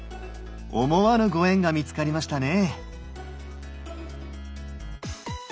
思わぬご縁が見つかりましたね。